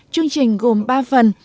chương trình gồm ba phần